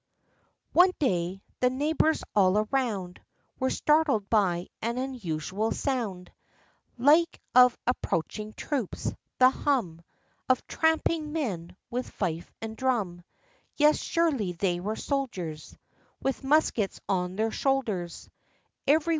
One day, the neighbors all around Were startled by an unusual sound Like of approaching troops, — the hum Of tramping men, with fife and drum: Yes, surely they were soldiers, With muskets on their shoulders.